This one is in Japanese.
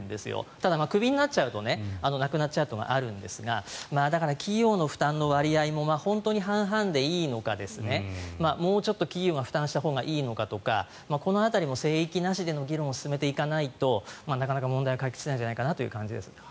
ただ、クビになっちゃうとなくなっちゃうというのがあるんですがだから企業の負担の割合も本当に半々でいいのかもうちょっと企業が負担したほうがいいのかとかこの辺りも聖域なしでの議論を進めていかないとなかなか問題は解決しないんじゃないかという感じです。